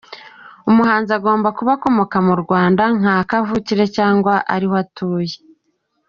Umuhanzi agomba kuba akomoka mu Rwanda nka kavukire cyangwa ariho atuye.